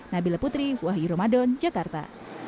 nabila putri wahyu ramadan jakarta